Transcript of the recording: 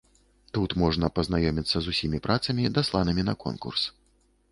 Тут можна пазнаёміцца з усімі працамі, дасланымі на конкурс.